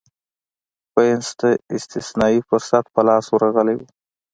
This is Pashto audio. وینز ته استثنايي فرصت په لاس ورغلی و